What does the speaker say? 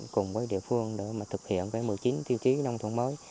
cùng với địa phương để thực hiện với một mươi chín tiêu chí nông thuận mới